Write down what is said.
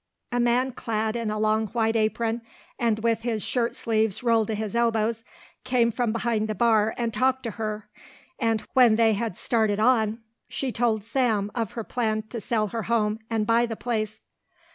A man clad in a long white apron and with his shirt sleeves rolled to his elbows came from behind the bar and talked to her, and when they had started on she told Sam of her plan to sell her home and buy the place.